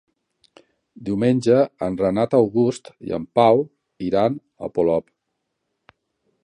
Diumenge en Renat August i en Pau iran a Polop.